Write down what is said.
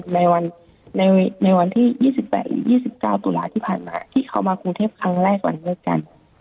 ในวันในในวันที่ยี่สิบแปดหรือยี่สิบเก้าตุลาที่ผ่านมาที่เขามากูเทพครั้งแรกวันเมื่อกัน